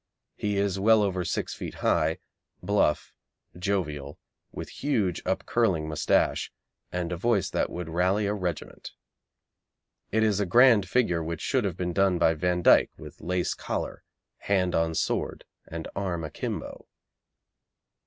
He is well over six feet high, bluff, jovial, with huge, up curling moustache, and a voice that would rally a regiment. It is a grand figure which should have been done by Van Dyck with lace collar, hand on sword, and arm akimbo.